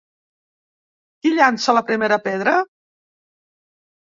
Qui llança la primera pedra?